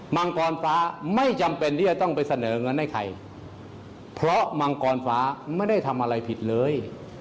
มังกรฟ้าไม่จำเป็นที่จะต้องไปเสนอเงินให้ใครเพราะมังกรฟ้าไม่ได้ทำอะไรผิดเลย